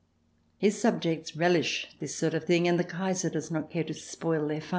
His subjects relish this sort of thing, and the Kaiser does not care to spoil their fun.